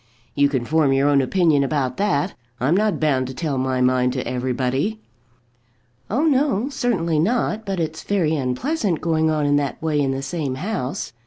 "You can form your own opinion about that. I'm not bound to tell my mind to everybody." "Oh, no; certainly not. But it's very unpleasant going on in that way in the same house.